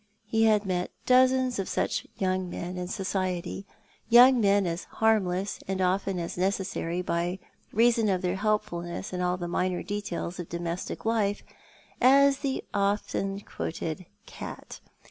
He had met dozens of such young men in society; young men as harmless, and often as necessary, by reason of their helpfulness in all the minor details of domestic life, as the often quoted cat.